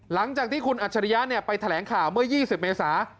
หลังจากที่คุณอัจฉริยะเนี่ยไปแถลงข่าวเมื่อยี่สิบเมษา